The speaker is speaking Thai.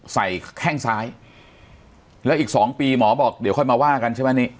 แข้งซ้ายแล้วอีก๒ปีหมอบอกเดี๋ยวค่อยมาว่ากันใช่ไหมนี่